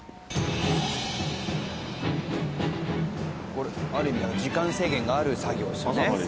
これある意味時間制限がある作業ですよね。